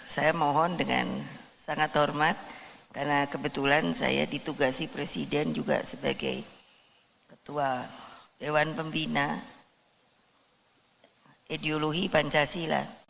saya mohon dengan sangat hormat karena kebetulan saya ditugasi presiden juga sebagai ketua dewan pembina ideologi pancasila